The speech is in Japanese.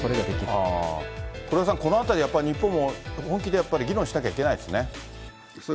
黒井さん、このあたり、やっぱり日本も本気でやっぱり議論しなきゃいけないですね。